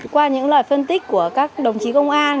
qua những lời phân tích của các đồng chí công an